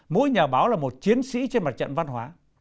mỗi nhà báo là một chiến sĩ trên mặt trận văn hóa